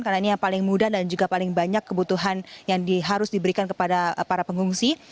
karena ini yang paling mudah dan juga paling banyak kebutuhan yang harus diberikan kepada para pengungsi